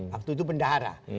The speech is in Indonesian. waktu itu pendahara